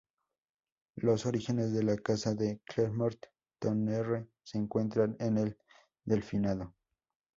Los orígenes de la Casa de Clermont-Tonnerre se encuentran en el Delfinado.